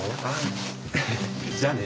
ああ。